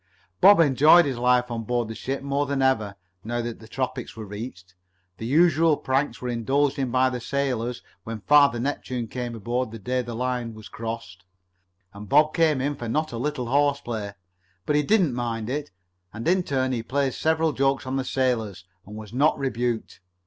Bob enjoyed his life on board the ship more than ever, now that the tropics were reached. The usual pranks were indulged in by the sailors when Father Neptune came aboard the day the line was crossed, and Bob came in for not a little horse play. But he did not mind it, and in turn he played several jokes on the sailors and was not rebuked.